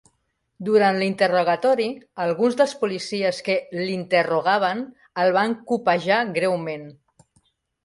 Durant l'interrogatori, alguns dels policies que l'interrogaven el van copejar greument.